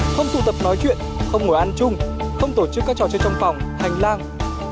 không tụ tập nói chuyện không ngồi ăn chung không tổ chức các trò chơi trong phòng hành lang